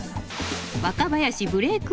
若林ブレーク